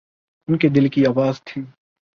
ان کے دل کی آواز تھی۔